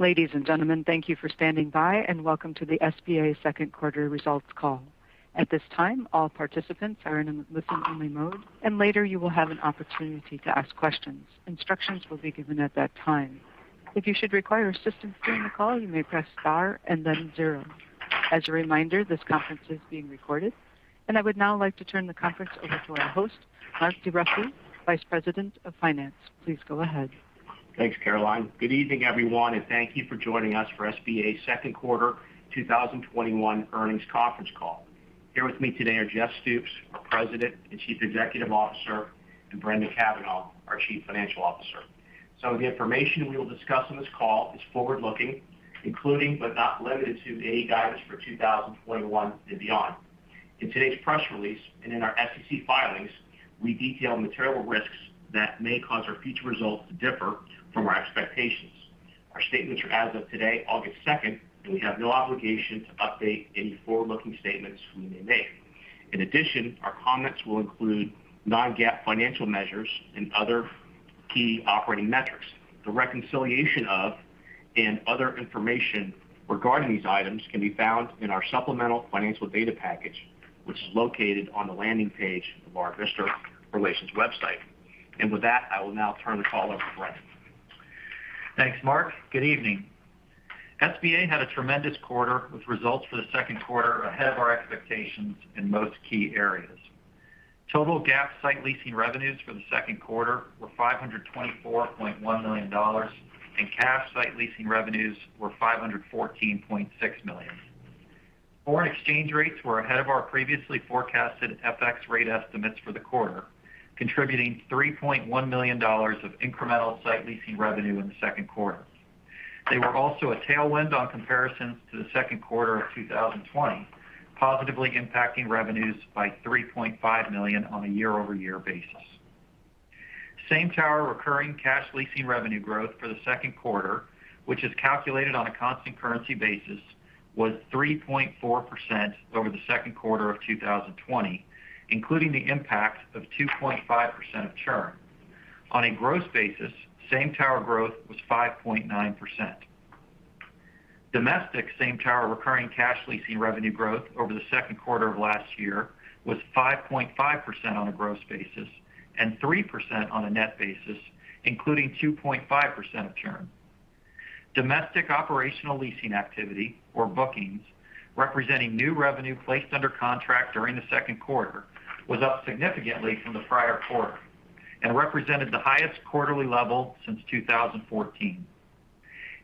Ladies and gentlemen, thank you for standing by, and welcome to the SBA second quarter results call. At this time, all participants are in listen-only mode, and later you will have an opportunity to ask questions. Instructions will be given at that time. If you should require assistance during the call, you may press star and then zero. As a reminder, this conference is being recorded. I would now like to turn the conference over to our host, Mark DeRussy, Vice President of Finance. Please go ahead. Thanks, Caroline. Good evening, everyone, and thank you for joining us for SBA second quarter 2021 earnings conference call. Here with me today are Jeff Stoops, our President and Chief Executive Officer, and Brendan Cavanagh, our Chief Financial Officer. The information we will discuss on this call is forward-looking, including but not limited to any guidance for 2021 and beyond. In today's press release and in our SEC filings, we detail material risks that may cause our future results to differ from our expectations. Our statements are as of today, August 2nd, and we have no obligation to update any forward-looking statements we may make. In addition, our comments will include non-GAAP financial measures and other key operating metrics. The reconciliation of, and other information regarding these items can be found in our supplemental financial data package, which is located on the landing page of our investor relations website. With that, I will now turn the call over to Brendan. Thanks, Mark. Good evening. SBA had a tremendous quarter with results for the second quarter ahead of our expectations in most key areas. Total GAAP site leasing revenues for the second quarter were $524.1 million, and cash site leasing revenues were $514.6 million. Foreign exchange rates were ahead of our previously forecasted FX rate estimates for the quarter, contributing $3.1 million of incremental site leasing revenue in the second quarter. They were also a tailwind on comparisons to the second quarter of 2020, positively impacting revenues by $3.5 million on a year-over-year basis. Same-tower recurring cash leasing revenue growth for the second quarter, which is calculated on a constant currency basis, was 3.4% over the second quarter of 2020, including the impact of 2.5% of churn. On a gross basis, same-tower growth was 5.9%. Domestic same-tower recurring cash leasing revenue growth over the second quarter of last year was 5.5% on a gross basis and 3% on a net basis, including 2.5% of churn. Domestic operational leasing activity, or bookings, representing new revenue placed under contract during the second quarter, was up significantly from the prior quarter and represented the highest quarterly level since 2014.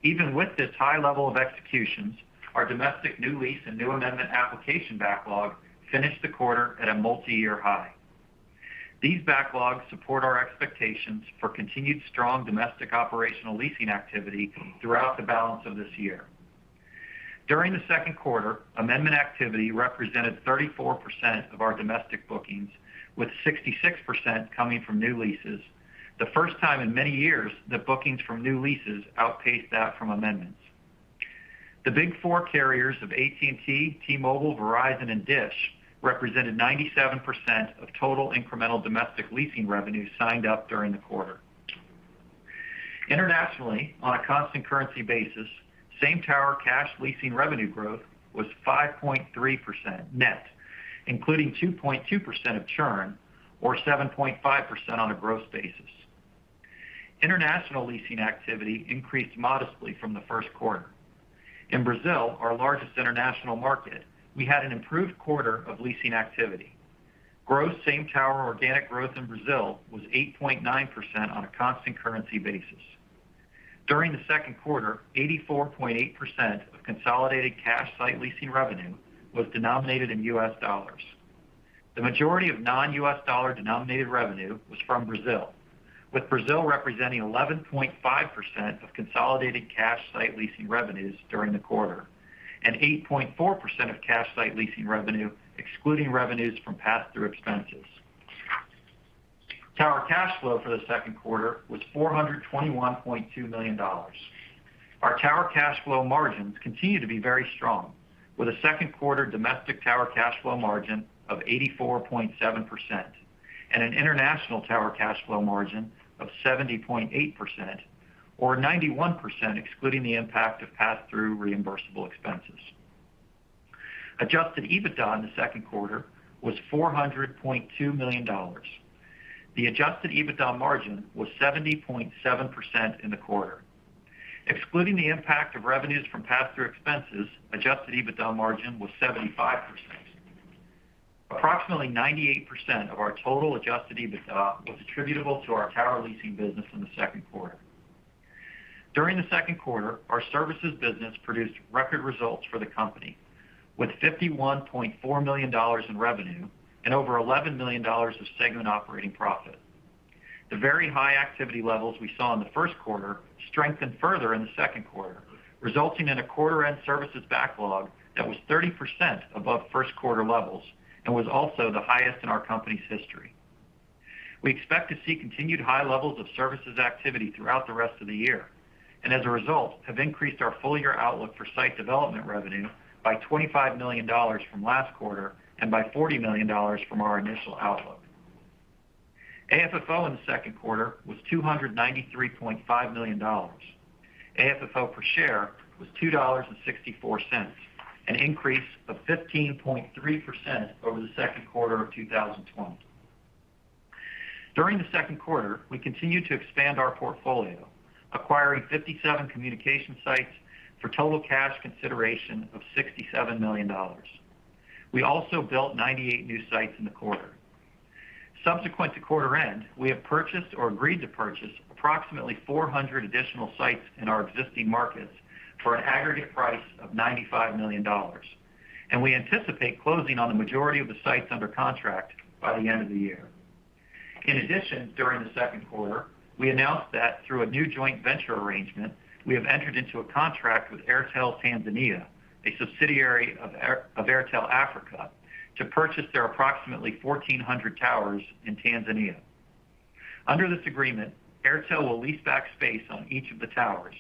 Even with this high level of executions, our domestic new lease and new amendment application backlog finished the quarter at a multiyear high. These backlogs support our expectations for continued strong domestic operational leasing activity throughout the balance of this year. During the second quarter, amendment activity represented 34% of our domestic bookings, with 66% coming from new leases, the first time in many years that bookings from new leases outpaced that from amendments. The big four carriers of AT&T, T-Mobile, Verizon, and DISH represented 97% of total incremental domestic leasing revenue signed up during the quarter. Internationally, on a constant currency basis, same-tower cash leasing revenue growth was 5.3% net, including 2.2% of churn, or 7.5% on a gross basis. International leasing activity increased modestly from the first quarter. In Brazil, our largest international market, we had an improved quarter of leasing activity. Gross same-tower organic growth in Brazil was 8.9% on a constant currency basis. During the second quarter, 84.8% of consolidated cash site leasing revenue was denominated in US dollars. The majority of non-US dollar denominated revenue was from Brazil, with Brazil representing 11.5% of consolidated cash site leasing revenues during the quarter and 8.4% of cash site leasing revenue excluding revenues from pass-through expenses. Tower cash flow for the second quarter was $421.2 million. Our tower cash flow margins continue to be very strong with a second quarter domestic tower cash flow margin of 84.7% and an international tower cash flow margin of 70.8%, or 91% excluding the impact of pass-through reimbursable expenses. Adjusted EBITDA in the second quarter was $400.2 million. The Adjusted EBITDA margin was 70.7% in the quarter. Excluding the impact of revenues from pass-through expenses, Adjusted EBITDA margin was 75%. Approximately 98% of our total Adjusted EBITDA was attributable to our tower leasing business in the second quarter. During the second quarter, our services business produced record results for the company with $51.4 million in revenue and over $11 million of segment operating profit. The very high activity levels we saw in the first quarter strengthened further in the second quarter, resulting in a quarter-end services backlog that was 30% above first quarter levels and was also the highest in our company's history. As a result, have increased our full-year outlook for site development revenue by $25 million from last quarter and by $40 million from our initial outlook. AFFO in the second quarter was $293.5 million. AFFO per share was $2.64, an increase of 15.3% over the second quarter of 2020. During the second quarter, we continued to expand our portfolio, acquiring 57 communication sites for total cash consideration of $67 million. We also built 98 new sites in the quarter. Subsequent to quarter end, we have purchased or agreed to purchase approximately 400 additional sites in our existing markets for an aggregate price of $95 million, and we anticipate closing on the majority of the sites under contract by the end of the year. In addition, during the second quarter, we announced that through a new joint venture arrangement, we have entered into a contract with Airtel Tanzania, a subsidiary of Airtel Africa, to purchase their approximately 1,400 towers in Tanzania. Under this agreement, Airtel will lease back space on each of the towers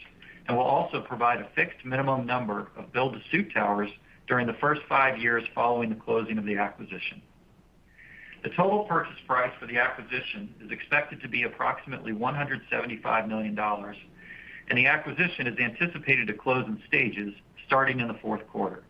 and will also provide a fixed minimum number of build-to-suit towers during the first five years following the closing of the acquisition. The total purchase price for the acquisition is expected to be approximately $175 million, and the acquisition is anticipated to close in stages starting in the fourth quarter.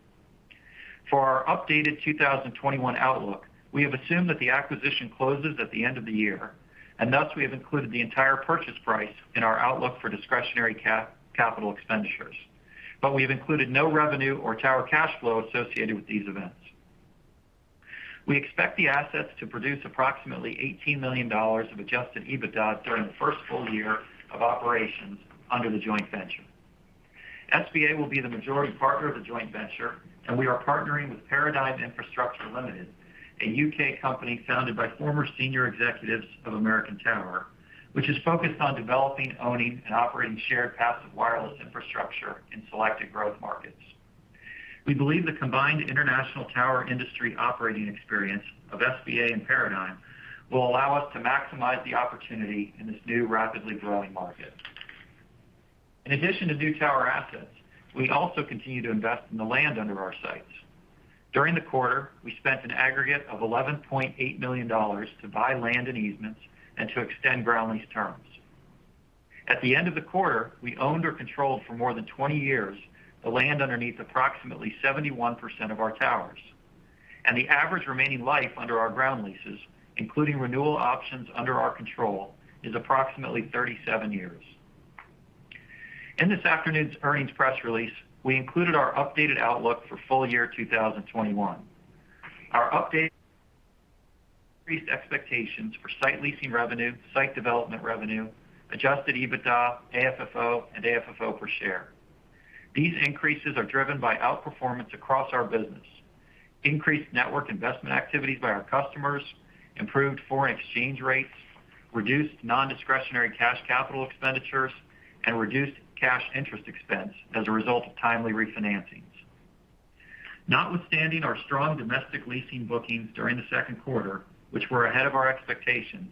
For our updated 2021 outlook, we have assumed that the acquisition closes at the end of the year, and thus we have included the entire purchase price in our outlook for discretionary capital expenditures. We've included no revenue or tower cash flow associated with these events. We expect the assets to produce approximately $18 million of adjusted EBITDA during the first full year of operations under the joint venture. SBA will be the majority partner of the joint venture, and we are partnering with Paradigm Infrastructure Limited, a U.K. company founded by former senior executives of American Tower, which is focused on developing, owning, and operating shared passive wireless infrastructure in selected growth markets. We believe the combined international tower industry operating experience of SBA and Paradigm will allow us to maximize the opportunity in this new, rapidly growing market. In addition to new tower assets, we also continue to invest in the land under our sites. During the quarter, we spent an aggregate of $11.8 million to buy land and easements and to extend ground lease terms. At the end of the quarter, we owned or controlled for more than 20 years the land underneath approximately 71% of our towers, and the average remaining life under our ground leases, including renewal options under our control, is approximately 37 years. In this afternoon's earnings press release, we included our updated outlook for full year 2021. Our update increased expectations for site leasing revenue, site development revenue, adjusted EBITDA, AFFO, and AFFO per share. These increases are driven by outperformance across our business, increased network investment activities by our customers, improved foreign exchange rates, reduced non-discretionary cash capital expenditures, and reduced cash interest expense as a result of timely refinancings. Notwithstanding our strong domestic leasing bookings during the second quarter, which were ahead of our expectations,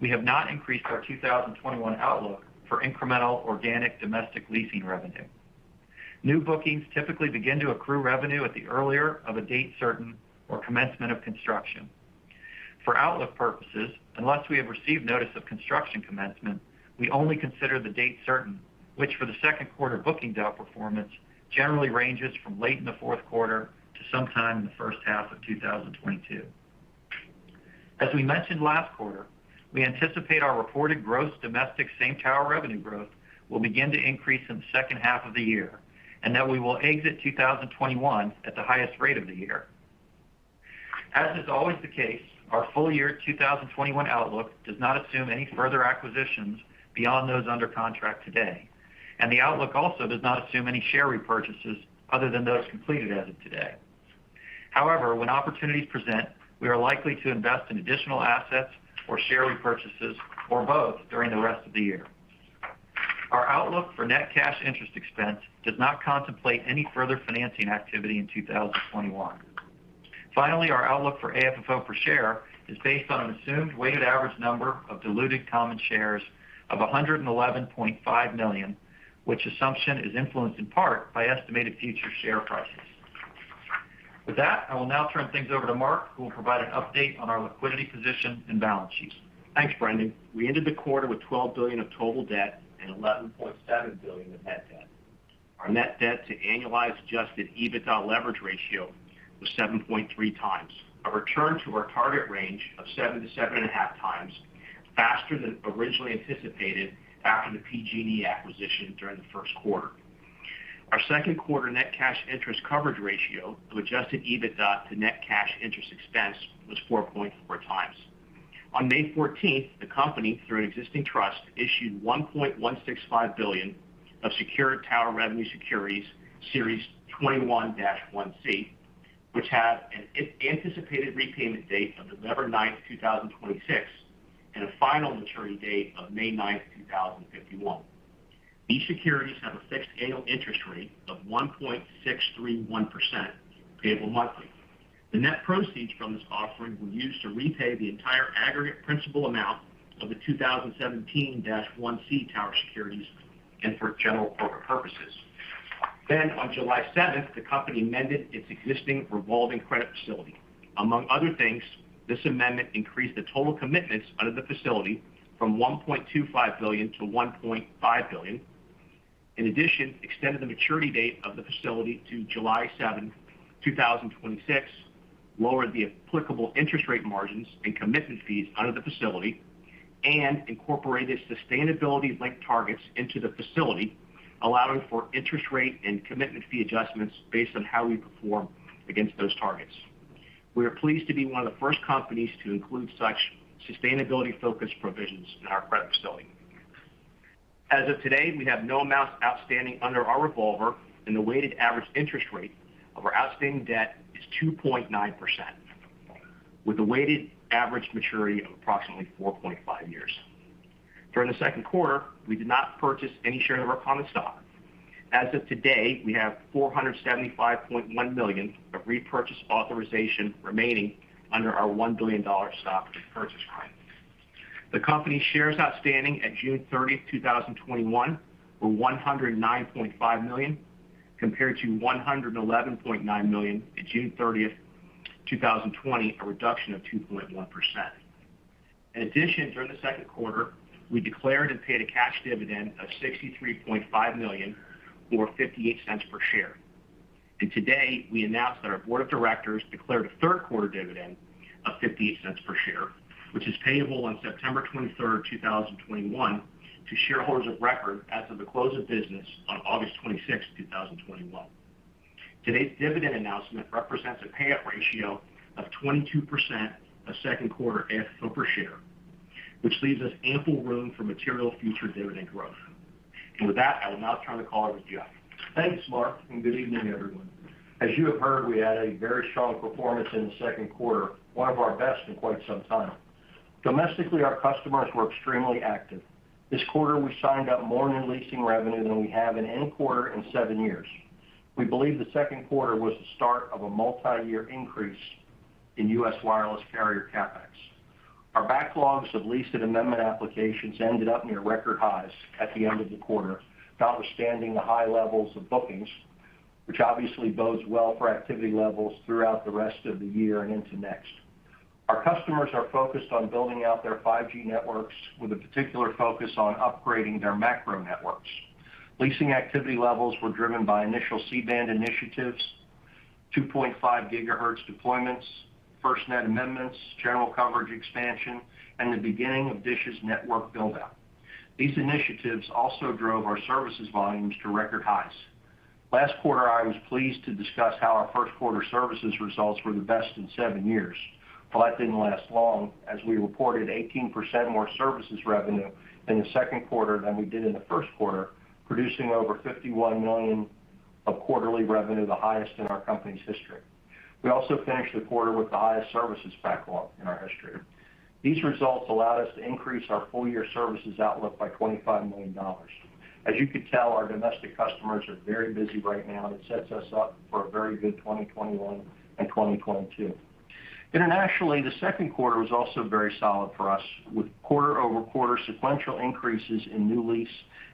we have not increased our 2021 outlook for incremental organic domestic leasing revenue. New bookings typically begin to accrue revenue at the earlier of a date certain or commencement of construction. For outlook purposes, unless we have received notice of construction commencement, we only consider the date certain, which for the second quarter bookings outperformance generally ranges from late in the fourth quarter to sometime in the first half of 2022. As we mentioned last quarter, we anticipate our reported gross domestic same-tower revenue growth will begin to increase in the second half of the year, and that we will exit 2021 at the highest rate of the year. As is always the case, our full-year 2021 outlook does not assume any further acquisitions beyond those under contract today. The outlook also does not assume any share repurchases other than those completed as of today. However, when opportunities present, we are likely to invest in additional assets or share repurchases or both during the rest of the year. Our outlook for net cash interest expense does not contemplate any further financing activity in 2021. Finally, our outlook for AFFO per share is based on an assumed weighted average number of diluted common shares of 111.5 million, which assumption is influenced in part by estimated future share prices. With that, I will now turn things over to Mark, who will provide an update on our liquidity position and balance sheet. Thanks, Brendan. We ended the quarter with $12 billion of total debt and $11.7 billion of net debt. Our net debt to annualized adjusted EBITDA leverage ratio was 7.3x, a return to our target range of 7x-7.5x, faster than originally anticipated after the PG&E acquisition during the first quarter. Our second quarter net cash interest coverage ratio of adjusted EBITDA to net cash interest expense was 4.4x. On May 14th, the company, through an existing trust, issued $1.165 billion of secured tower revenue securities, Series 2021-1C, which have an anticipated repayment date of November 9th, 2026, and a final maturity date of May 9th, 2051. These securities have a fixed annual interest rate of 1.631%, payable monthly. The net proceeds from this offering were used to repay the entire aggregate principal amount of the 2017-1C Tower Securities and for general corporate purposes. On July 7th, the company amended its existing revolving credit facility. Among other things, this amendment increased the total commitments under the facility from $1.25 billion to $1.5 billion. In addition, extended the maturity date of the facility to July 7th, 2026, lowered the applicable interest rate margins and commitment fees out of the facility, and incorporated sustainability-linked targets into the facility, allowing for interest rate and commitment fee adjustments based on how we perform against those targets. We are pleased to be one of the first companies to include such sustainability-focused provisions in our credit facility. As of today, we have no amounts outstanding under our revolver, and the weighted average interest rate of our outstanding debt is 2.9%, with a weighted average maturity of approximately 4.5 years. During the second quarter, we did not purchase any share of our common stock. As of today, we have $475.1 million of repurchase authorization remaining under our $1 billion stock repurchase plan. The company shares outstanding at June 30th, 2021, were $109.5 million, compared to $111.9 million at June 30th, 2020, a reduction of 2.1%. In addition, during the second quarter, we declared and paid a cash dividend of $63.5 million or $0.58 per share. Today, we announced that our board of directors declared a third quarter dividend of $0.58 per share, which is payable on September 23rd, 2021, to shareholders of record as of the close of business on August 26th, 2021. Today's dividend announcement represents a payout ratio of 22% of second quarter AFFO per share, which leaves us ample room for material future dividend growth. With that, I will now turn the call over to Jeff. Thanks, Mark, and good evening, everyone. As you have heard, we had a very strong performance in the second quarter, one of our best in quite some time. Domestically, our customers were extremely active. This quarter, we signed up more in leasing revenue than we have in any quarter in seven years. We believe the second quarter was the start of a multi-year increase in U.S. wireless carrier CapEx. Our backlogs of leased and amendment applications ended up near record highs at the end of the quarter, notwithstanding the high levels of bookings, which obviously bodes well for activity levels throughout the rest of the year and into next. Our customers are focused on building out their 5G networks with a particular focus on upgrading their macro networks. Leasing activity levels were driven by initial C-band initiatives, 2.5 GHz deployments, FirstNet amendments, general coverage expansion, and the beginning of DISH's network build-out. These initiatives also drove our services volumes to record highs. Last quarter, I was pleased to discuss how our first quarter services results were the best in seven years. Well, that didn't last long, as we reported 18% more services revenue in the second quarter than we did in the first quarter, producing over $51 million of quarterly revenue, the highest in our company's history. We also finished the quarter with the highest services backlog in our history. These results allowed us to increase our full-year services outlook by $25 million. As you can tell, our domestic customers are very busy right now, and it sets us up for a very good 2021 and 2022. Internationally, the second quarter was also very solid for us with quarter-over-quarter sequential increases in new lease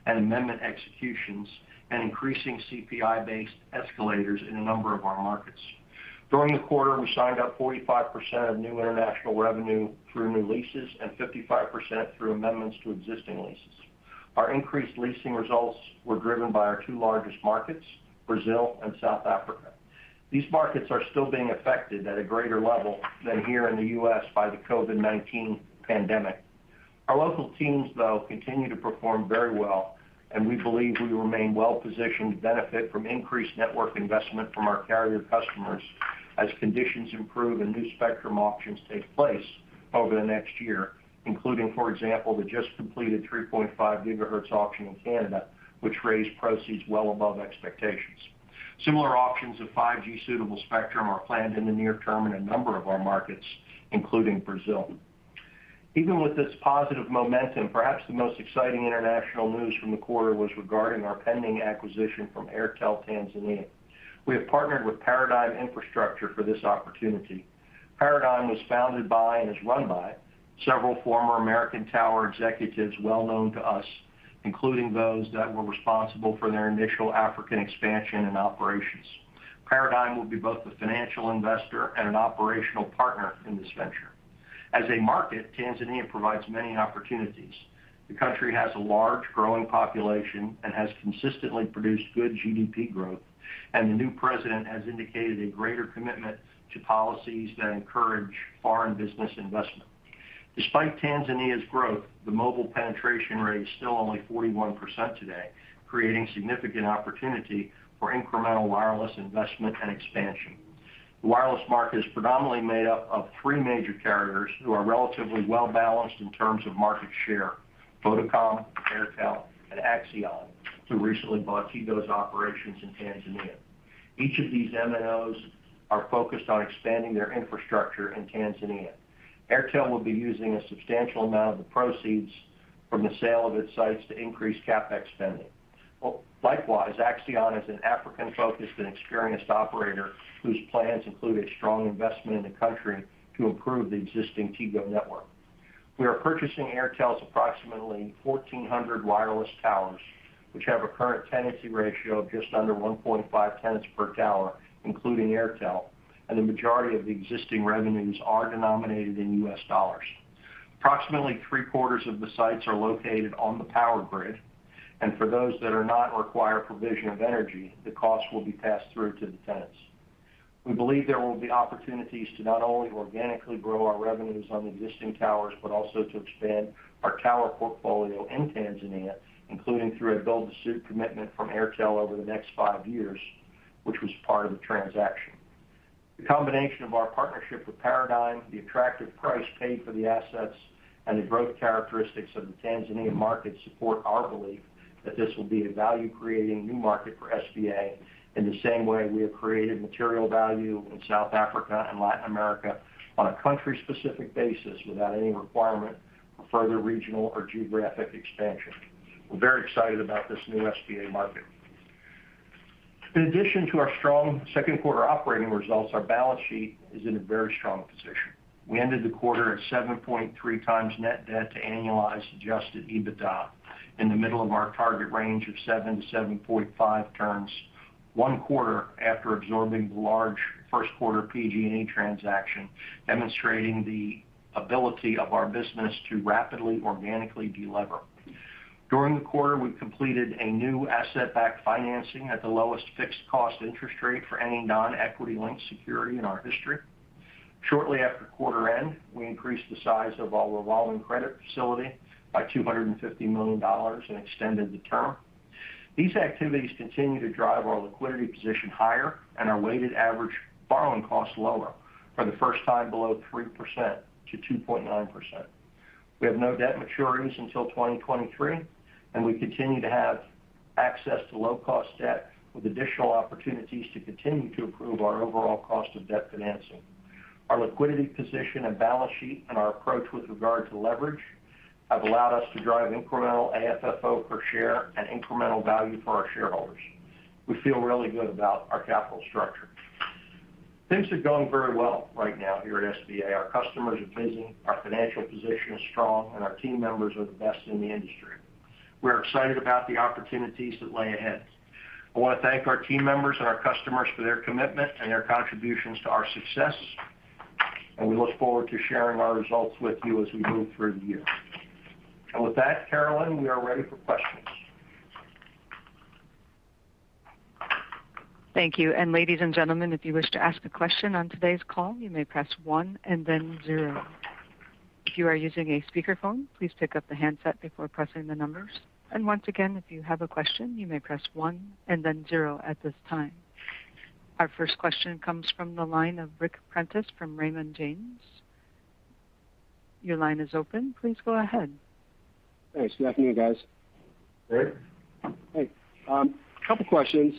and amendment executions and increasing CPI-based escalators in a number of our markets. During the quarter, we signed up 45% of new international revenue through new leases and 55% through amendments to existing leases. Our increased leasing results were driven by our two largest markets, Brazil and South Africa. These markets are still being affected at a greater level than here in the U.S. by the COVID-19 pandemic. Our local teams, though, continue to perform very well, and we believe we will remain well-positioned to benefit from increased network investment from our carrier customers as conditions improve and new spectrum auctions take place over the next year, including, for example, the just completed 3.5 GHz auction in Canada, which raised proceeds well above expectations. Similar auctions of 5G-suitable spectrum are planned in the near term in a number of our markets, including Brazil. Even with this positive momentum, perhaps the most exciting international news from the quarter was regarding our pending acquisition from Airtel Tanzania. We have partnered with Paradigm Infrastructure for this opportunity. Paradigm was founded by and is run by several former American Tower executives well known to us, including those that were responsible for their initial African expansion and operations. Paradigm will be both a financial investor and an operational partner in this venture. As a market, Tanzania provides many opportunities. The country has a large, growing population and has consistently produced good GDP growth, and the new president has indicated a greater commitment to policies that encourage foreign business investment. Despite Tanzania's growth, the mobile penetration rate is still only 41% today, creating significant opportunity for incremental wireless investment and expansion. The wireless market is predominantly made up of three major carriers who are relatively well-balanced in terms of market share, Vodacom, Airtel, and Axian, who recently bought Tigo's operations in Tanzania. Each of these MNOs are focused on expanding their infrastructure in Tanzania. Airtel will be using a substantial amount of the proceeds from the sale of its sites to increase CapEx spending. Likewise, Axian is an African-focused and experienced operator whose plans include a strong investment in the country to improve the existing Tigo network. We are purchasing Airtel's approximately 1,400 wireless towers, which have a current tenancy ratio of just under 1.5 tenants per tower, including Airtel, and the majority of the existing revenues are denominated in US dollars. Approximately three-quarters of the sites are located on the power grid, and for those that are not require provision of energy, the cost will be passed through to the tenants. We believe there will be opportunities to not only organically grow our revenues on existing towers, but also to expand our tower portfolio in Tanzania, including through a build-to-suit commitment from Airtel over the next five years, which was part of the transaction. The combination of our partnership with Paradigm, the attractive price paid for the assets, and the growth characteristics of the Tanzanian market support our belief that this will be a value-creating new market for SBA in the same way we have created material value in South Africa and Latin America on a country-specific basis without any requirement for further regional or geographic expansion. We're very excited about this new SBA market. In addition to our strong second quarter operating results, our balance sheet is in a very strong position. We ended the quarter at 7.3x net debt to annualized adjusted EBITDA, in the middle of our target range of 7-7.5 turns, one quarter after absorbing the large first quarter PG&E transaction, demonstrating the ability of our business to rapidly, organically de-lever. During the quarter, we completed a new asset-backed financing at the lowest fixed cost interest rate for any non-equity linked security in our history. Shortly after quarter end, we increased the size of our revolving credit facility by $250 million and extended the term. These activities continue to drive our liquidity position higher and our weighted average borrowing costs lower for the first time below 3% to 2.9%. We have no debt maturities until 2023, and we continue to have access to low-cost debt with additional opportunities to continue to improve our overall cost of debt financing. Our liquidity position and balance sheet and our approach with regard to leverage have allowed us to drive incremental AFFO per share and incremental value for our shareholders. We feel really good about our capital structure. Things are going very well right now here at SBA. Our customers are busy, our financial position is strong, and our team members are the best in the industry. We're excited about the opportunities that lay ahead. I want to thank our team members and our customers for their commitment and their contributions to our success, and we look forward to sharing our results with you as we move through the year. With that, Carolyn, we are ready for questions. Thank you. Ladies and gentlemen, if you wish to ask a question on today's call, you may press one and then zero. If you are using a speakerphone, please pick up the handset before pressing the numbers. Once again, if you have a question, you may press one and then zero at this time. Our first question comes from the line of Ric Prentiss from Raymond James. Your line is open. Please go ahead. Thanks. Good afternoon, guys. Ric. Hey. Couple questions.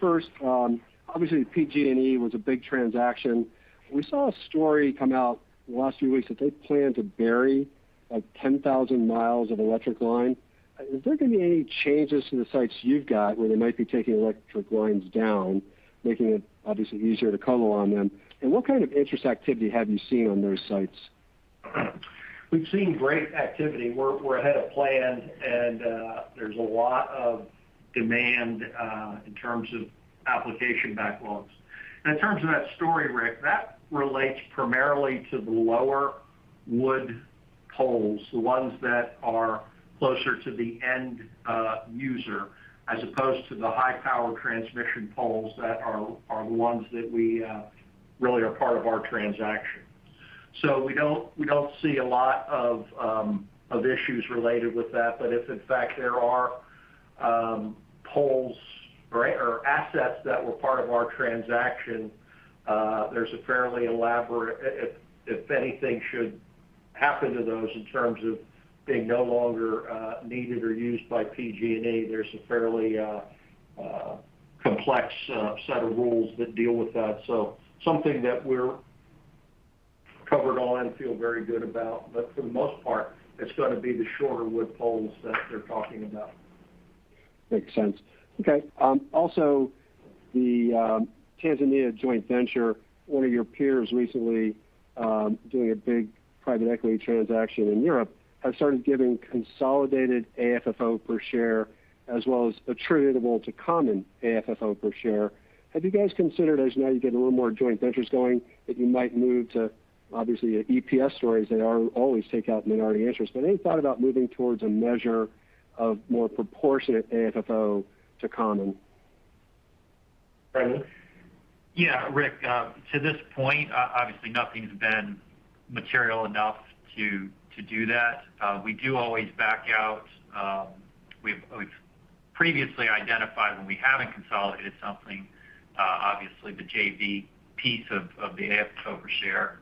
First, obviously PG&E was a big transaction. We saw a story come out in the last few weeks that they plan to bury 10,000 mi of electric line. Is there going to be any changes to the sites you've got where they might be taking electric lines down, making it obviously easier to co-loc on them? What kind of interest activity have you seen on those sites? We've seen great activity. We're ahead of plan and there's a lot of demand in terms of application backlogs. In terms of that story, Ric, that relates primarily to the lower wood poles, the ones that are closer to the end user, as opposed to the high power transmission poles that are the ones that really are part of our transaction. We don't see a lot of issues related with that. If, in fact, there are poles or assets that were part of our transaction, if anything should happen to those in terms of being no longer needed or used by PG&E, there's a fairly complex set of rules that deal with that. Something that we're covered on and feel very good about. For the most part, it's going to be the shorter wood poles that they're talking about. Makes sense. The Tanzania joint venture, one of your peers recently doing a big private equity transaction in Europe, have started giving consolidated AFFO per share as well as attributable to common AFFO per share. Have you guys considered as now you get a little more joint ventures going, that you might move to obviously EPS stories that always take out minority interest, but any thought about moving towards a measure of more proportionate AFFO to common? Brendan? Yeah, Ric. To this point, obviously nothing's been material enough to do that. We do always back out. We've previously identified when we haven't consolidated something, obviously the JV piece of the AFFO per share.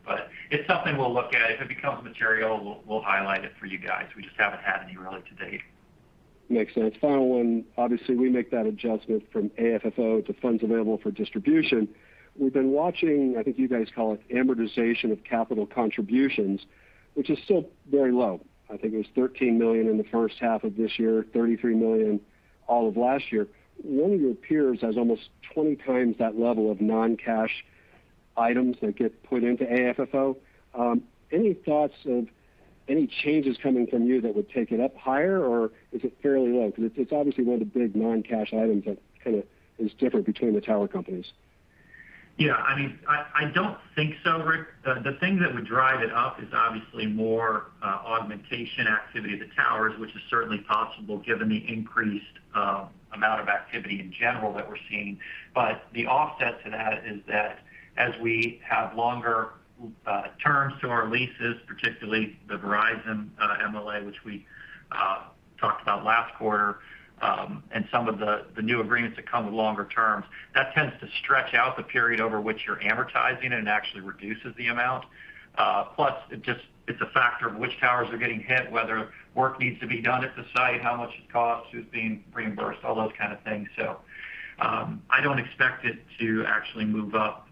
It's something we'll look at. If it becomes material, we'll highlight it for you guys. We just haven't had any really to-date. Makes sense. Final one. We make that adjustment from AFFO to funds available for distribution. We've been watching, I think you guys call it amortization of capital contributions, which is still very low. I think it was $13 million in the first half of this year, $33 million all of last year. One of your peers has almost 20x that level of non-cash items that get put into AFFO. Any thoughts of any changes coming from you that would take it up higher, or is it fairly low? It's obviously one of the big non-cash items that is different between the tower companies. Yeah. I don't think so, Ric. The thing that would drive it up is obviously more augmentation activity at the towers, which is certainly possible given the increased amount of activity in general that we're seeing. The offset to that is that as we have longer terms to our leases, particularly the Verizon MLA, which we talked about last quarter, and some of the new agreements that come with longer terms, that tends to stretch out the period over which you're amortizing and it actually reduces the amount. It's a factor of which towers are getting hit, whether work needs to be done at the site, how much it costs, who's being reimbursed, all those kind of things. I don't expect it to actually move up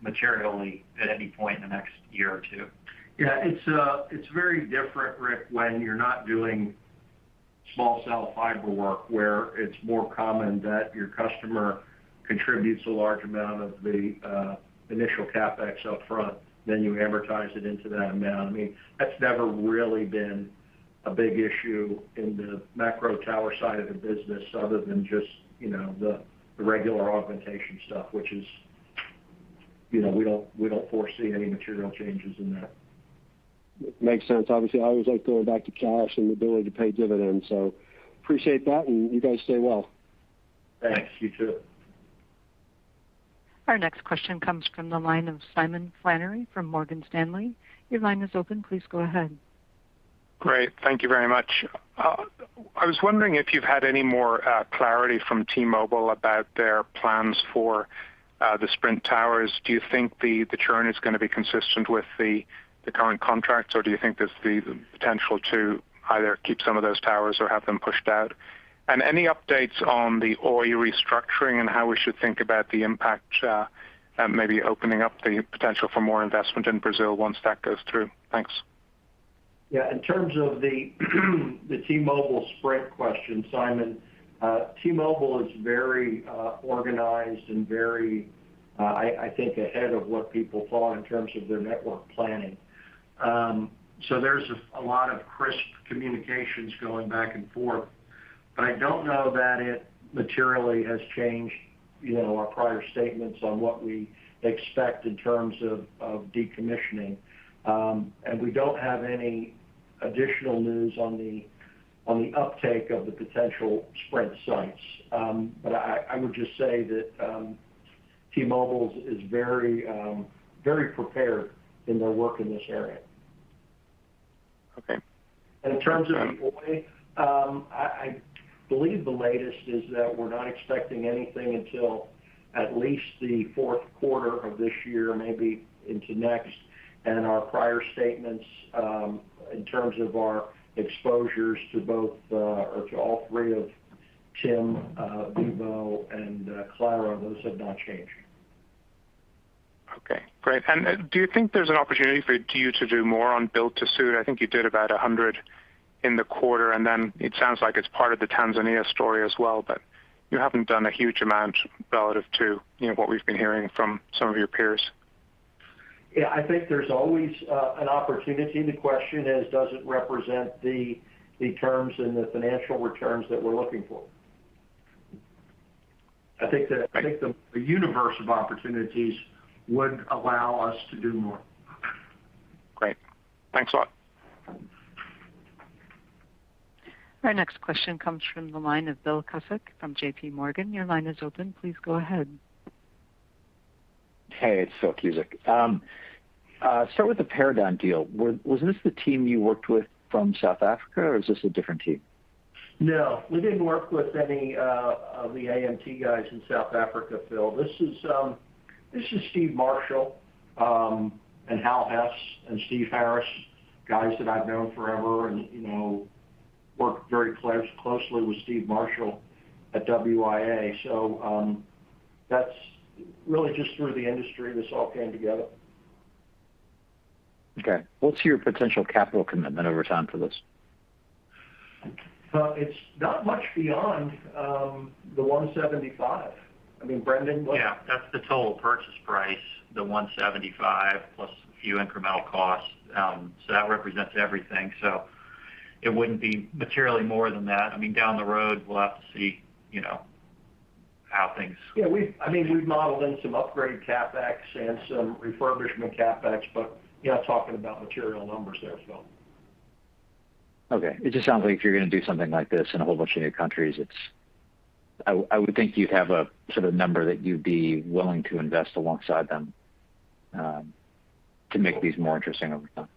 materially at any point in the next year or two. Yeah. It's very different, Ric, when you're not doing small cell fiber work, where it's more common that your customer contributes a large amount of the initial CapEx up front, then you amortize it into that amount. That's never really been a big issue in the macro tower side of the business other than just the regular augmentation stuff, which we don't foresee any material changes in that. Makes sense. Obviously, I always like going back to cash and the ability to pay dividends. Appreciate that, and you guys stay well. Thanks. You, too. Our next question comes from the line of Simon Flannery from Morgan Stanley. Your line is open. Please go ahead. Great. Thank you very much. I was wondering if you've had any more clarity from T-Mobile about their plans for the Sprint towers. Do you think the churn is going to be consistent with the current contracts, or do you think there's the potential to either keep some of those towers or have them pushed out? Any updates on the Oi restructuring and how we should think about the impact maybe opening up the potential for more investment in Brazil once that goes through? Thanks. Yeah. In terms of the T-Mobile Sprint question, Simon, T-Mobile is very organized and very, I think, ahead of what people thought in terms of their network planning. There's a lot of crisp communications going back and forth, but I don't know that it materially has changed our prior statements on what we expect in terms of decommissioning. We don't have any additional news on the uptake of the potential Sprint sites. I would just say that T-Mobile is very prepared in their work in this area. Okay. In terms of Oi, I believe the latest is that we're not expecting anything until at least the fourth quarter of this year, maybe into next. Our prior statements, in terms of our exposures to all three of TIM, Vivo and Claro, those have not changed. Okay. Great, do you think there's an opportunity for you to do more on build to suit? I think you did about 100 in the quarter. It sounds like it's part of the Tanzania story as well, you haven't done a huge amount relative to what we've been hearing from some of your peers. Yeah, I think there's always an opportunity. The question is, does it represent the terms and the financial returns that we're looking for? I think the universe of opportunities would allow us to do more. Great. Thanks a lot. Our next question comes from the line of Phil Cusick from JPMorgan. Your line is open. Please go ahead. Hey, it's Phil Cusick. Start with the Paradigm deal. Was this the team you worked with from South Africa, or is this a different team? No. We didn't work with any of the AMT guys in South Africa, Phil. This is Steve Marshall, and Hal Hess, and Steve Harris. Guys that I've known forever and worked very closely with Steven Marshall at WIA. That's really just through the industry this all came together. Okay. What's your potential capital commitment over time for this? Well, it's not much beyond the $175 milllion. Brendan, what- That's the total purchase price, the $175 million plus a few incremental costs. That represents everything, so it wouldn't be materially more than that. Yeah. We've modeled in some upgrade CapEx and some refurbishment CapEx, but you're not talking about material numbers there, Phil. It just sounds like if you're going to do something like this in a whole bunch of new countries, I would think you'd have a sort of number that you'd be willing to invest alongside them to make these more interesting over time.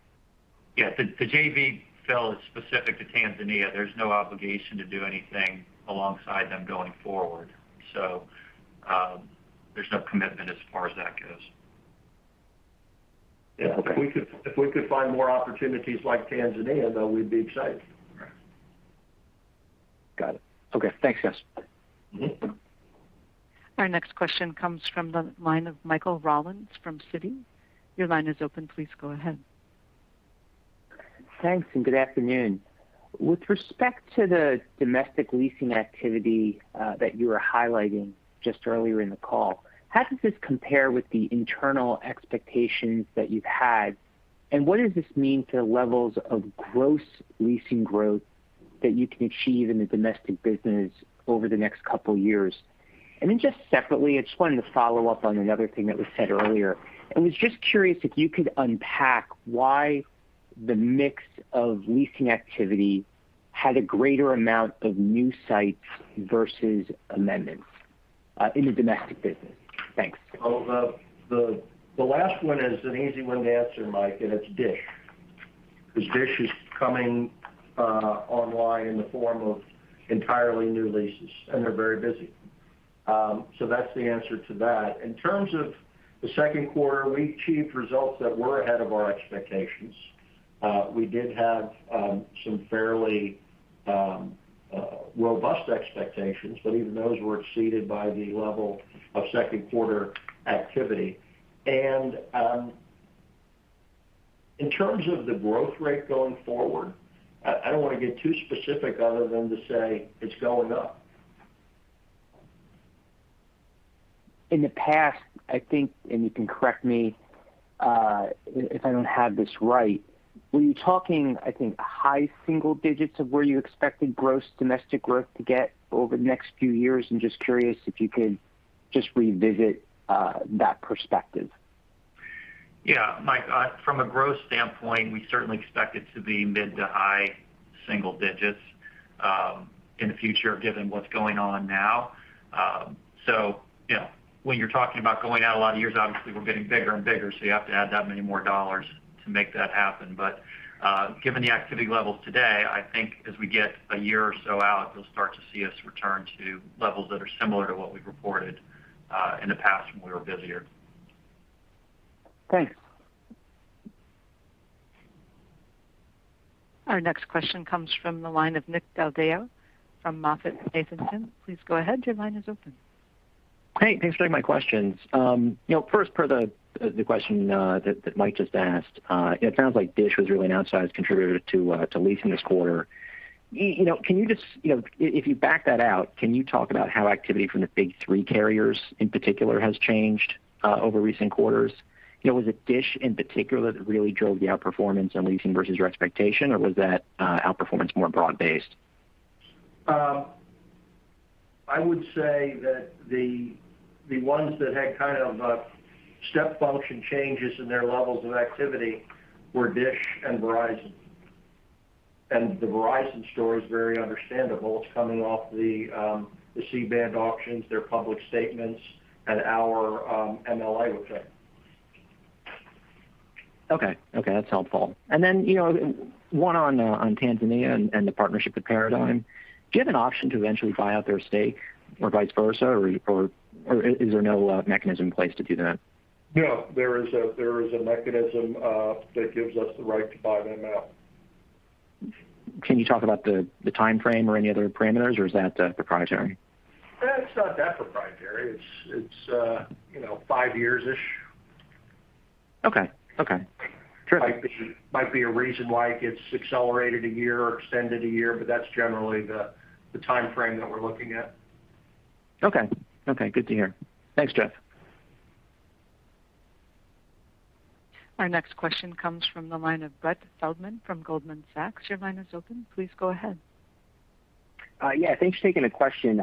Yeah. The JV, Phil, is specific to Tanzania. There's no obligation to do anything alongside them going forward. There's no commitment as far as that goes. Yeah. Okay. If we could find more opportunities like Tanzania, though, we'd be excited. Got it. Okay. Thanks, guys. Our next question comes from the line of Michael Rollins from Citi. Your line is open. Please go ahead. Thanks, good afternoon. With respect to the domestic leasing activity that you were highlighting just earlier in the call, how does this compare with the internal expectations that you've had? What does this mean for levels of gross leasing growth that you can achieve in the domestic business over the next couple of years? Just separately, I just wanted to follow up on another thing that was said earlier, and was just curious if you could unpack why the mix of leasing activity had a greater amount of new sites versus amendments, in the domestic business. Thanks. The last one is an easy one to answer, Mike, and it's DISH, because DISH is coming online in the form of entirely new leases, and they're very busy. That's the answer to that. In terms of the second quarter, we achieved results that were ahead of our expectations. We did have some fairly robust expectations, but even those were exceeded by the level of second quarter activity. In terms of the growth rate going forward, I don't want to get too specific other than to say it's going up. In the past, I think, and you can correct me, if I don't have this right, were you talking, I think, high single-digits of where you expected gross domestic growth to get over the next few years? I'm just curious if you could just revisit that perspective. Yeah. Mike, from a growth standpoint, we certainly expect it to be mid to high single digits in the future, given what's going on now. When you're talking about going out a lot of years, obviously, we're getting bigger and bigger, so you have to add that many more dollars to make that happen. Given the activity levels today, I think as we get a year or so out, you'll start to see us return to levels that are similar to what we've reported in the past when we were busier. Thanks. Our next question comes from the line of Nick Del Deo from MoffettNathanson. Please go ahead. Your line is open. Hey, thanks for taking my questions. First part of the question that Mike just asked, it sounds like DISH was really an outsized contributor to leasing this quarter. If you back that out, can you talk about how activity from the big three carriers in particular has changed, over recent quarters? Was it DISH in particular that really drove the outperformance on leasing versus your expectation, or was that outperformance more broad based? I would say that the ones that had a step function changes in their levels of activity were DISH and Verizon. The Verizon story is very understandable. It's coming off the C-band auctions, their public statements, and our MLA with them. Okay. That's helpful. One on Tanzania and the partnership with Paradigm. Do you have an option to eventually buy out their stake or vice versa? Is there no mechanism in place to do that? There is a mechanism that gives us the right to buy them out. Can you talk about the timeframe or any other parameters, or is that proprietary? It's not that proprietary. It's five years-ish. Okay. Terrific. Might be a reason why it gets accelerated a year or extended a year, but that's generally the timeframe that we're looking at. Okay. Good to hear. Thanks, Jeff. Our next question comes from the line of Brett Feldman from Goldman Sachs. Your line is open. Please go ahead. Yeah, thanks for taking the question.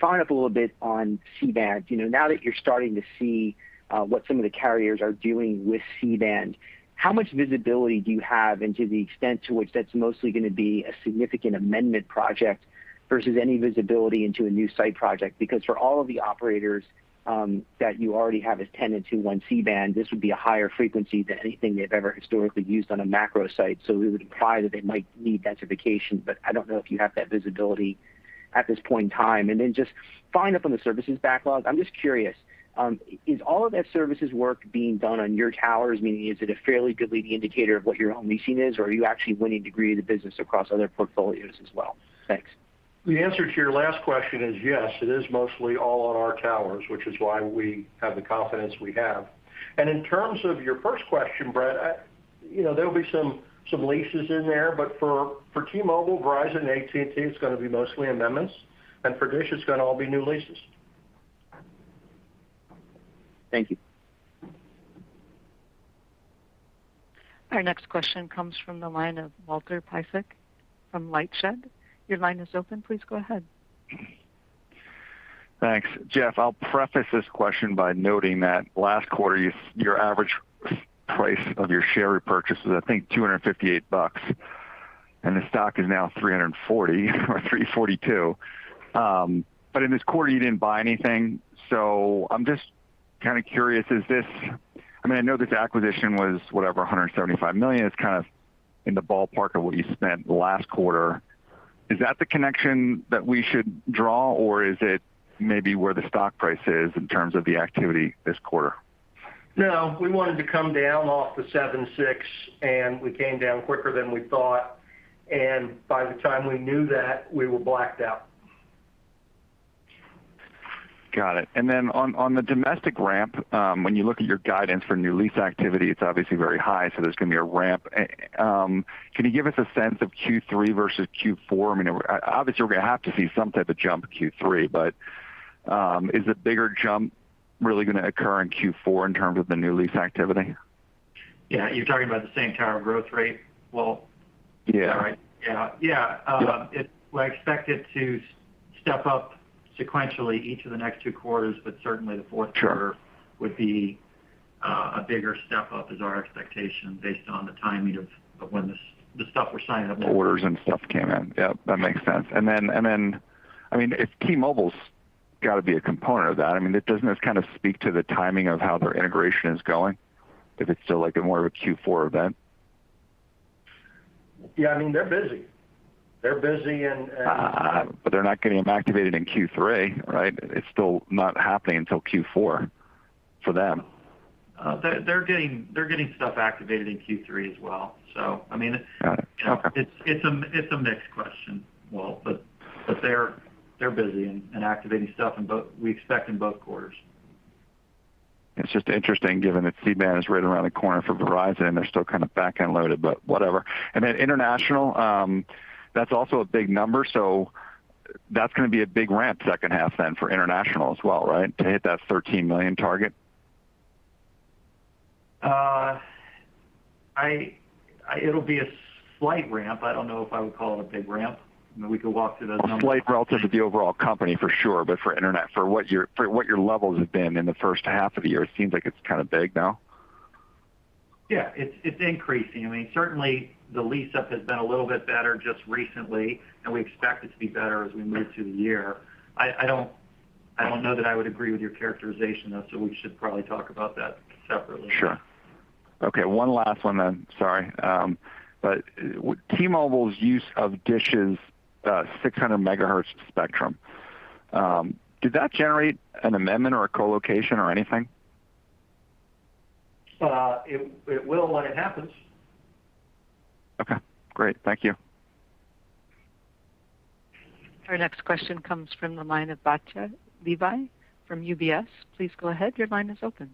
Following up a little bit on C-band. Now that you're starting to see what some of the carriers are doing with C-band, how much visibility do you have into the extent to which that's mostly going to be a significant amendment project versus any visibility into a new site project? Because for all of the operators that you already have as tenants who want C-band, this would be a higher frequency than anything they've ever historically used on a macro site. It would imply that they might need densification. I don't know if you have that visibility at this point in time. Just following up on the services backlog, I'm just curious, is all of that services work being done on your towers? Is it a fairly good leading indicator of what your own leasing is, or are you actually winning a degree of the business across other portfolios as well? Thanks. The answer to your last question is yes. It is mostly all on our towers, which is why we have the confidence we have. In terms of your first question, Brett, there'll be some leases in there, but for T-Mobile, Verizon, and AT&T, it's going to be mostly amendments. For DISH, it's going to all be new leases. Thank you. Our next question comes from the line of Walter Piecyk from LightShed. Thanks. Jeff, I'll preface this question by noting that last quarter, your average price of your share repurchase was, I think, $258, and the stock is now $340 or $342. In this quarter, you didn't buy anything. I'm just kind of curious, I know this acquisition was, whatever, $175 million. It's kind of in the ballpark of what you spent last quarter. Is that the connection that we should draw, or is it maybe where the stock price is in terms of the activity this quarter? No, we wanted to come down off the 7.6, and we came down quicker than we thought, and by the time we knew that, we were blacked out. Got it. On the domestic ramp, when you look at your guidance for new lease activity, it's obviously very high, so there's going to be a ramp. Can you give us a sense of Q3 versus Q4? Obviously, we're going to have to see some type of jump Q3, but is a bigger jump really going to occur in Q4 in terms of the new lease activity? Yeah. You're talking about the same tower growth rate, Walt? Yeah. Is that right? Yeah. Yeah. I expect it to step up sequentially each of the next two quarters, but certainly the fourth quarter- Sure would be a bigger step-up is our expectation based on the timing of when the stuff we're signing up. Orders and stuff came in. Yep. That makes sense. If T-Mobile's got to be a component of that, doesn't this speak to the timing of how their integration is going? If it's still more of a Q4 event? Yeah, they're busy. They're busy. They're not getting them activated in Q3, right? It's still not happening until Q4 for them. They're getting stuff activated in Q3 as well. Got it. Okay It's a mixed question, Walt, but they're busy and activating stuff, we expect in both quarters. It's just interesting given that C-band is right around the corner for Verizon and they're still back-end loaded, but whatever. International, that's also a big number, so that's going to be a big ramp second half then for international as well, right? To hit that $13 million target? It'll be a slight ramp. I don't know if I would call it a big ramp. We could walk through those numbers. A slight ramp relative to the overall company for sure, but for internet, for what your levels have been in the first half of the year, it seems like it's big now. Yeah. It's increasing. Certainly, the lease-up has been a little bit better just recently, and we expect it to be better as we move through the year. I don't know that I would agree with your characterization, though, so we should probably talk about that separately. Sure. Okay, one last one then. Sorry. T-Mobile's use of DISH's 600 MHz spectrum, did that generate an amendment or a co-location or anything? It will when it happens. Okay, great. Thank you. Our next question comes from the line of Batya Levi from UBS. Please go ahead. Your line is open.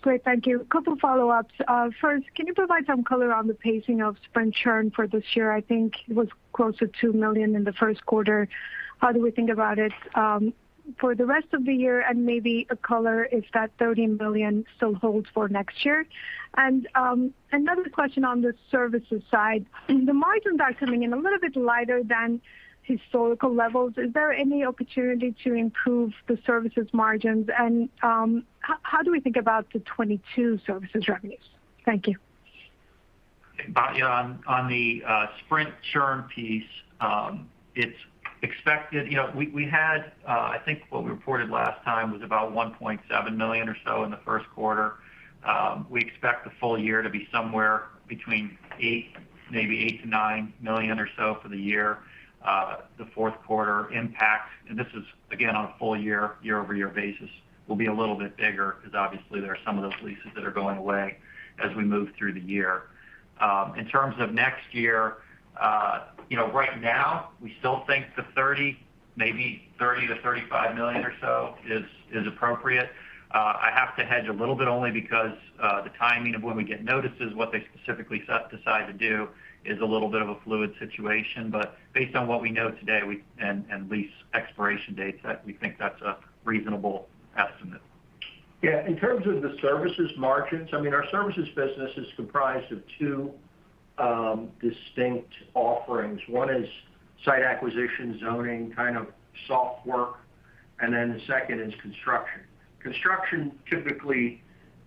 Great. Thank you. A couple follow-ups. First, can you provide some color on the pacing of Sprint churn for this year? I think it was close to $2 million in the first quarter. How do we think about it for the rest of the year, and maybe a color if that $13 million still holds for next year? Another question on the services side. The margins are coming in a little bit lighter than historical levels. Is there any opportunity to improve the services margins? How do we think about the 2022 services revenues? Thank you. Batya, on the Sprint churn piece, I think what we reported last time was about $1.7 million or so in the first quarter. We expect the full year to be somewhere between maybe $8 million-$9 million or so for the year. The fourth quarter impact, and this is again on a full year-over-year basis, will be a little bit bigger because obviously there are some of those leases that are going away as we move through the year. In terms of next year, right now we still think the $30 million, maybe $30 million-$35 million or so is appropriate. I have to hedge a little bit only because the timing of when we get notices, what they specifically decide to do is a little bit of a fluid situation. Based on what we know today and lease expiration dates, we think that's a reasonable estimate. Yeah. In terms of the services margins, our services business is comprised of two distinct offerings. One is site acquisition, zoning, kind of soft work. The second is construction. Construction typically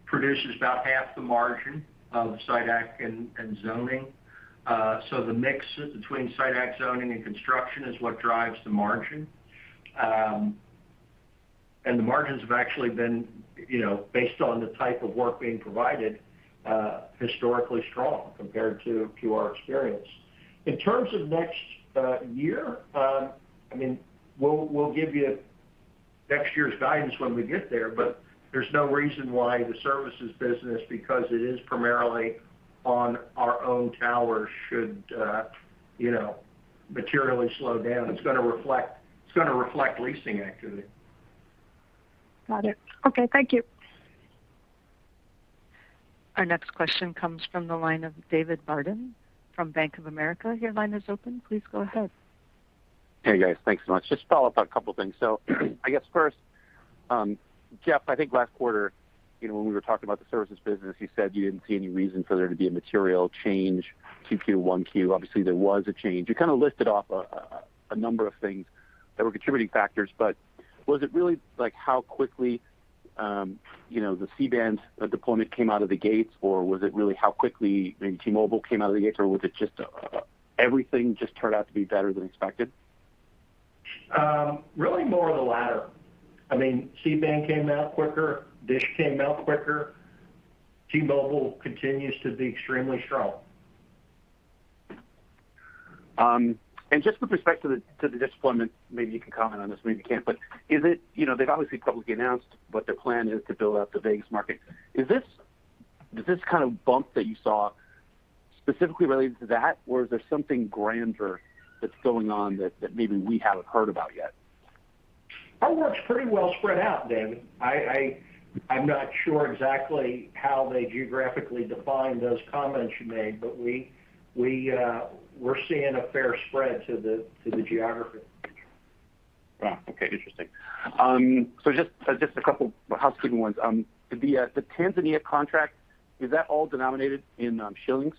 produces about half the margin of site acq and zoning. The mix between site acq, zoning and construction is what drives the margin. The margins have actually been, based on the type of work being provided, historically strong compared to our experience. In terms of next year, we'll give you next year's guidance when we get there's no reason why the services business, because it is primarily on our own towers, should materially slow down. It's going to reflect leasing activity. Got it. Okay. Thank you. Our next question comes from the line of David Barden from Bank of America. Your line is open. Please go ahead. Hey, guys. Thanks so much. Just follow up on a couple things. I guess first, Jeff, I think last quarter, when we were talking about the services business, you said you didn't see any reason for there to be a material change Q2 1Q. Obviously, there was a change. You kind of listed off a number of things that were contributing factors, but was it really how quickly the C-band deployment came out of the gates, or was it really how quickly T-Mobile came out of the gates, or was it just everything just turned out to be better than expected? Really more of the latter. C-band came out quicker, DISH came out quicker. T-Mobile continues to be extremely strong. Just with respect to the deployment, maybe you can comment on this, maybe you can't, but they've obviously publicly announced what their plan is to build out the Vegas market. Does this kind of bump that you saw specifically related to that, or is there something grander that's going on that maybe we haven't heard about yet? Our work's pretty well spread out, David. I'm not sure exactly how they geographically define those comments you made, but we're seeing a fair spread to the geography. Wow. Okay. Interesting. Just a couple housekeeping ones. The Tanzania contract, is that all denominated in shillings?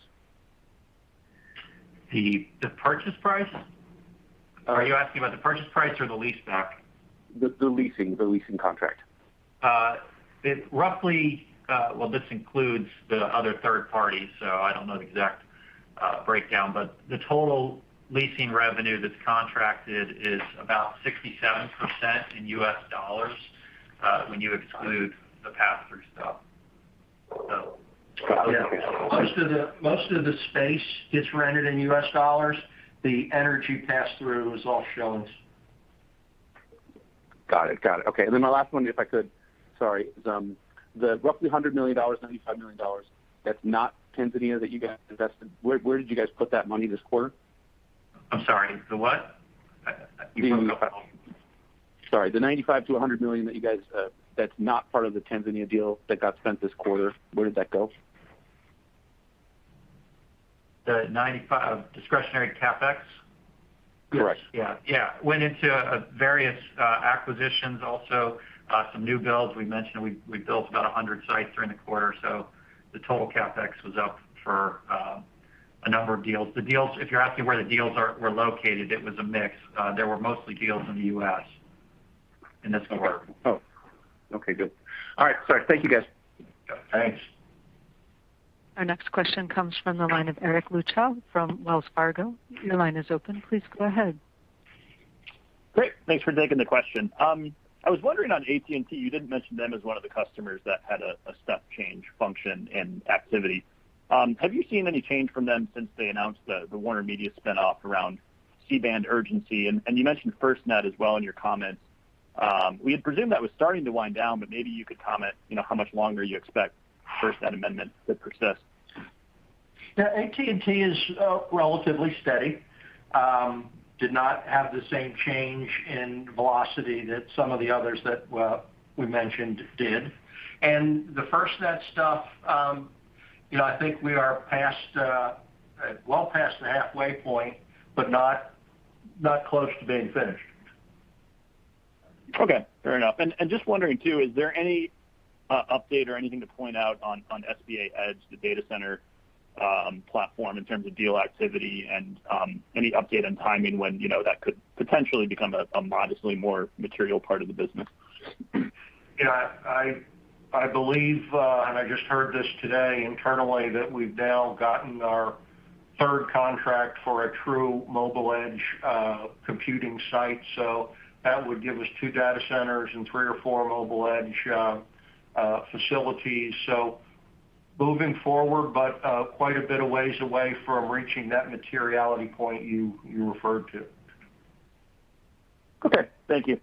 The purchase price? Are you asking about the purchase price or the leaseback? The leasing contract. Well, this includes the other third party, so I don't know the exact breakdown, but the total leasing revenue that's contracted is about 67% in US dollars, when you exclude the pass-through stuff. Yeah. Okay. Most of the space gets rented in US dollars. The energy pass-through is all shillings. Got it. Okay. My last one, if I could. Sorry. The roughly $100 million, $95 million, that's not Tanzania that you guys invested. Where did you guys put that money this quarter? I'm sorry, the what? Sorry, the $95 million-$100 million that's not part of the Tanzania deal that got spent this quarter, where did that go? The $95 million discretionary CapEx? Correct. Yeah. It went into various acquisitions, also some new builds. We mentioned we built about 100 sites during the quarter. The total CapEx was up for a number of deals. If you’re asking where the deals were located, it was a mix. They were mostly deals in the U.S. in this quarter. Oh, okay. Good. All right. Sorry. Thank you, guys. Thanks. Our next question comes from the line of Eric Luebchow from Wells Fargo. Your line is open. Please go ahead. Great. Thanks for taking the question. I was wondering on AT&T, you didn't mention them as one of the customers that had a step change function and activity. Have you seen any change from them since they announced the WarnerMedia spin-off around C-band urgency? You mentioned FirstNet as well in your comments. We had presumed that was starting to wind down, but maybe you could comment, how much longer you expect FirstNet amendment to persist. Yeah, AT&T is relatively steady. Did not have the same change in velocity that some of the others that we mentioned did. The FirstNet stuff, I think we are well past the halfway point, but not close to being finished. Okay. Fair enough. Just wondering too, is there any update or anything to point out on SBA Edge as the data center platform, in terms of deal activity and any update on timing when that could potentially become a modestly more material part of the business? Yeah. I believe, and I just heard this today internally, that we've now gotten our third contract for a true mobile edge computing site. That would give us two data centers and three or four mobile edge facilities. Moving forward, but quite a bit of ways away from reaching that materiality point you referred to. Okay. Thank you.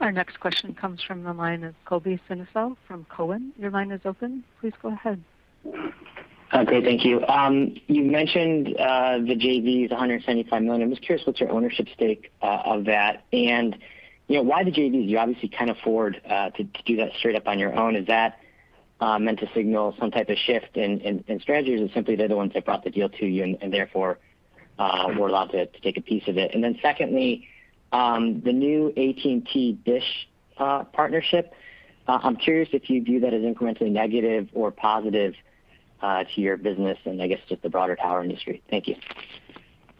Our next question comes from the line of Colby Synesael from Cowen. Your line is open. Please go ahead. Okay. Thank you. You mentioned the JVs, $175 million. I'm just curious what's your ownership stake of that, and why the JVs? You obviously can afford to do that straight up on your own. Is that meant to signal some type of shift in strategies or simply they're the ones that brought the deal to you and therefore, we're allowed to take a piece of it? Secondly, the new AT&T DISH partnership, I'm curious if you view that as incrementally negative or positive to your business and I guess just the broader tower industry. Thank you.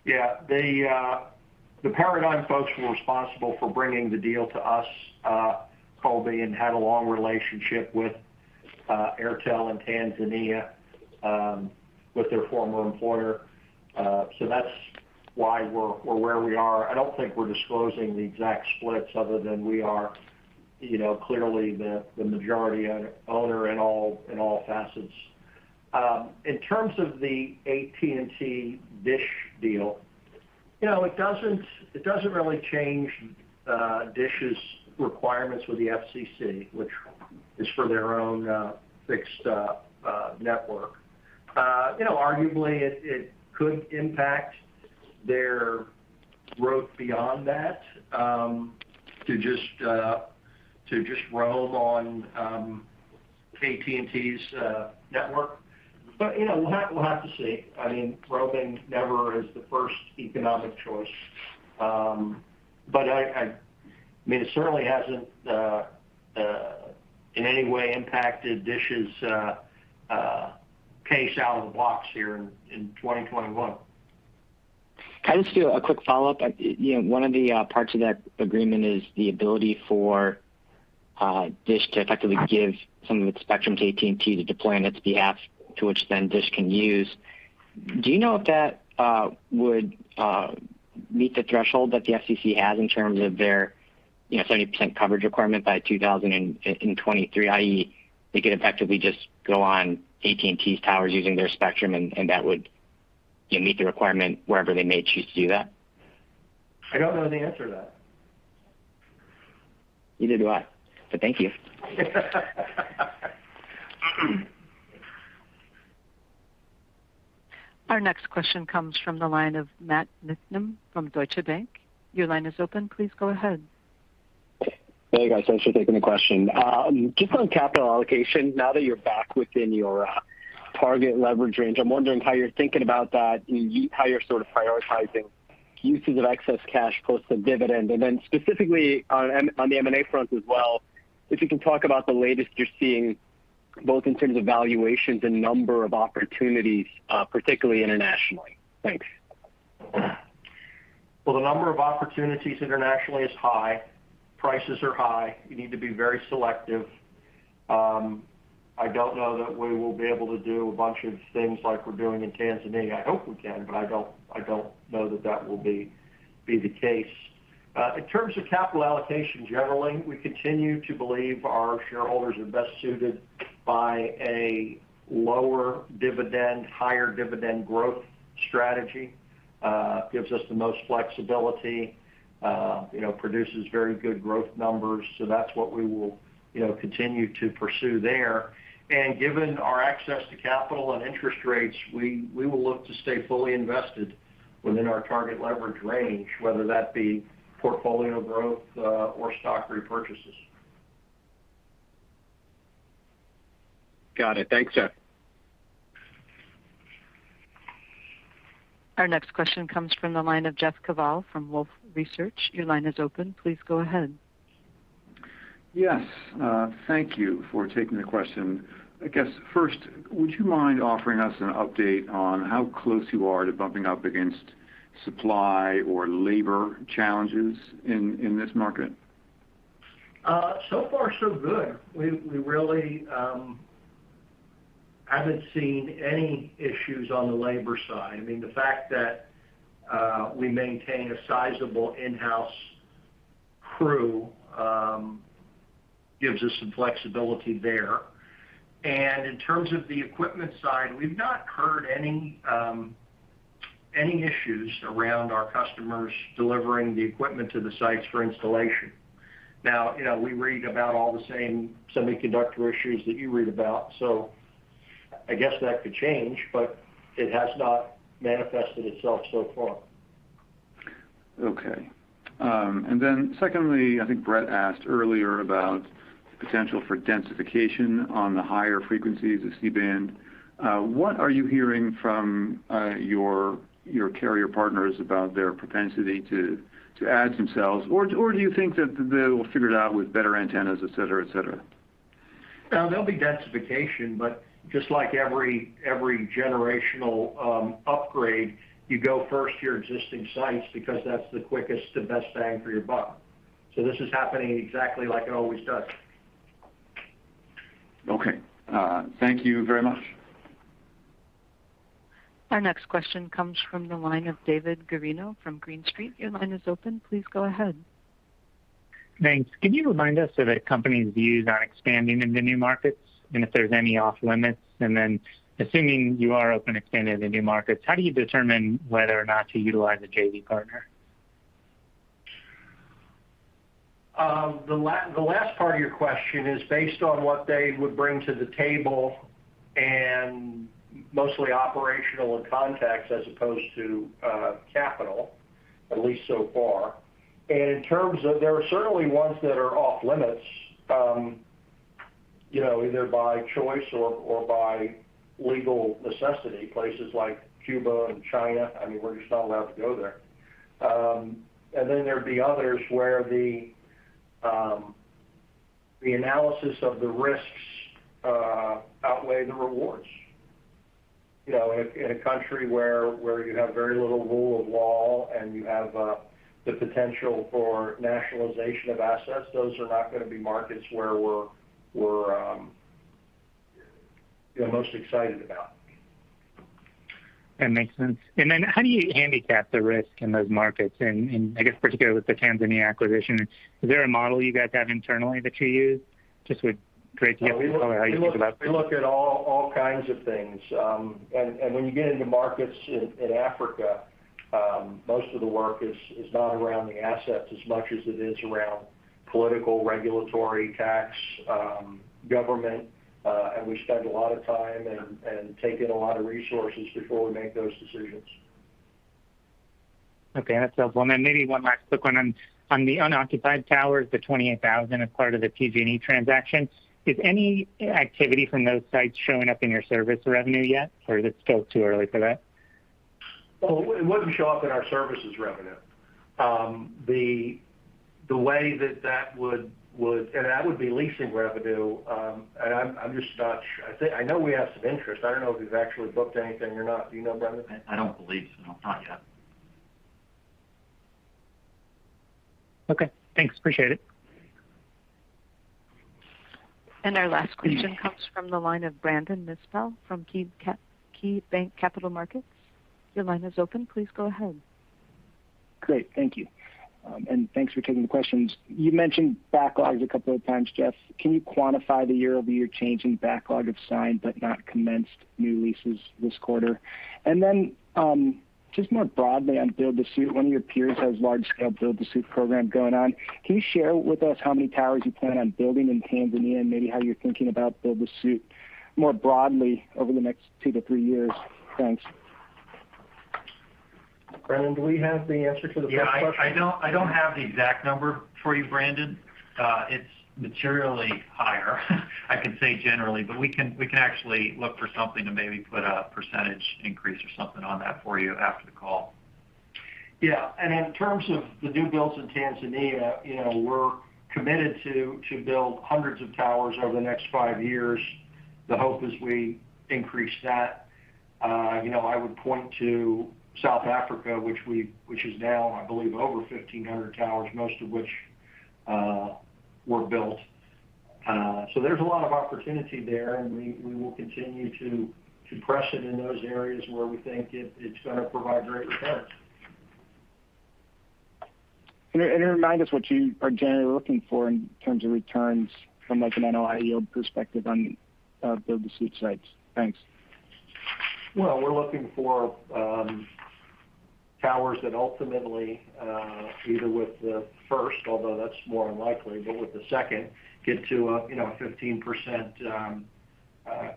Yeah. The Paradigm folks were responsible for bringing the deal to us, Colby, and had a long relationship with Airtel in Tanzania, with their former employer. That's why we're where we are. I don't think we're disclosing the exact splits other than we are clearly the majority owner in all facets. In terms of the AT&T DISH deal, it doesn't really change DISH's requirements with the FCC, which is for their own fixed network. Arguably, it could impact their road beyond that, to just roam on AT&T's network. We'll have to see. Roaming never is the first economic choice. It certainly hasn't in any way impacted DISH's pace out of the blocks here in 2021. Can I just do a quick follow-up? One of the parts of that agreement is the ability for DISH to effectively give some of its spectrum to AT&T to deploy on its behalf, to which then DISH can use. Do you know if that would meet the threshold that the FCC has in terms of their 30% coverage requirement by 2023, i.e., they could effectively just go on AT&T's towers using their spectrum and that would meet the requirement wherever they may choose to do that? I don't know the answer to that. Neither do I, but thank you. Our next question comes from the line of Matt Niknam from Deutsche Bank. Your line is open. Please go ahead. Hey, guys. Thanks for taking the question. Just on capital allocation, now that you're back within your target leverage range, I'm wondering how you're thinking about that and how you're sort of prioritizing uses of excess cash post the dividend. Specifically on the M&A front as well, if you can talk about the latest you're seeing, both in terms of valuations and number of opportunities, particularly internationally. Thanks. Well, the number of opportunities internationally is high. Prices are high. You need to be very selective. I don't know that we will be able to do a bunch of things like we're doing in Tanzania. I hope we can. I don't know that that will be the case. In terms of capital allocation, generally, we continue to believe our shareholders are best suited by a lower dividend, higher dividend growth strategy. It gives us the most flexibility, produces very good growth numbers. That's what we will continue to pursue there. Given our access to capital and interest rates, we will look to stay fully invested within our target leverage range, whether that be portfolio growth or stock repurchases. Got it. Thanks, Jeff. Our next question comes from the line of Jeff Kvaal from Wolfe Research. Your line is open. Please go ahead. Yes. Thank you for taking the question. I guess first, would you mind offering us an update on how close you are to bumping up against supply or labor challenges in this market? So far so good. We really haven't seen any issues on the labor side. I mean, the fact that we maintain a sizable in-house crew gives us some flexibility there. In terms of the equipment side, we've not heard any issues around our customers delivering the equipment to the sites for installation. Now, we read about all the same semiconductor issues that you read about, so I guess that could change, but it has not manifested itself so far. Okay. Secondly, I think Brett asked earlier about potential for densification on the higher frequencies of C-band. What are you hearing from your carrier partners about their propensity to add themselves, or do you think that they will figure it out with better antennas, et cetera? No, there'll be densification, but just like every generational upgrade, you go first to your existing sites because that's the quickest and best bang for your buck. This is happening exactly like it always does. Okay. Thank you very much. Our next question comes from the line of David Guarino from Green Street. Your line is open. Please go ahead. Thanks. Can you remind us of the company's views on expanding into new markets, and if there's any off-limits? Assuming you are open expanding into new markets, how do you determine whether or not to utilize a JV partner? The last part of your question is based on what they would bring to the table and mostly operational and contacts as opposed to capital, at least so far. There are certainly ones that are off-limits, either by choice or by legal necessity, places like Cuba and China, I mean, we're just not allowed to go there. There'd be others where the analysis of the risks outweigh the rewards. In a country where you have very little rule of law and you have the potential for nationalization of assets, those are not going to be markets where we're most excited about. That makes sense. How do you handicap the risk in those markets and, I guess particularly with the Tanzania acquisition, is there a model you guys have internally that you use? Just would be great to get your color on how you think about that. We look at all kinds of things. When you get into markets in Africa, most of the work is not around the assets as much as it is around political, regulatory, tax, government. We spend a lot of time and take in a lot of resources before we make those decisions. Okay, that's helpful. Maybe one last quick one. On the unoccupied towers, the 28,000 as part of the PG&E transaction, is any activity from those sites showing up in your service revenue yet, or is it still too early for that? Well, it wouldn't show up in our services revenue. That would be leasing revenue. I'm just not sure. I know we have some interest. I don't know if we've actually booked anything or not. Do you know, Brendan? I don't believe so. Not yet. Okay, thanks. Appreciate it. Our last question comes from the line of Brandon Nispel from KeyBanc Capital Markets. Your line is open. Please go ahead. Great. Thank you. Thanks for taking the questions. You mentioned backlogs a couple of times, Jeff. Can you quantify the year-over-year change in backlog of signed but not commenced new leases this quarter? Just more broadly on build-to-suit, one of your peers has large-scale build-to-suit program going on. Can you share with us how many towers you plan on building in Tanzania and maybe how you're thinking about build-to-suit more broadly over the next two to three years? Thanks. Brendan do we have the answer to the first question? Yeah, I don't have the exact number for you, Brandon. It's materially higher, I can say generally, but we can actually look for something to maybe put a percentage increase or something on that for you after the call. In terms of the new builds in Tanzania, we're committed to build hundreds of towers over the next five years. The hope is we increase that. I would point to South Africa, which is now, I believe, over 1,500 towers, most of which were built. There's a lot of opportunity there, and we will continue to press it in those areas where we think it's going to provide great returns. Remind us what you are generally looking for in terms of returns from like an NOI yield perspective on build-to-suit sites. Thanks. Well, we're looking for towers that ultimately, either with the first, although that's more unlikely, but with the second, get to 15%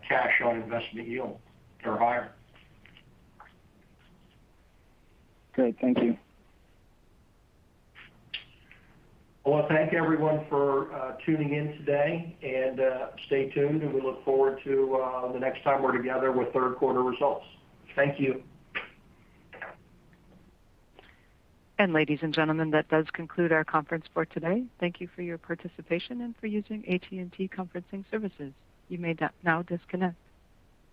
cash on investment yield or higher. Great. Thank you. Well, thank everyone for tuning in today, and stay tuned, and we look forward to the next time we're together with third quarter results. Thank you. Ladies and gentlemen, that does conclude our conference for today. Thank you for your participation and for using AT&T conferencing services. You may now disconnect.